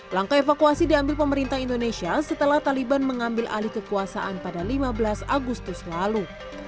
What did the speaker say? langkah evakuasi diambil pemerintah indonesia setelah taliban mengambil alih kekuasaan pada lima belas agustus lalu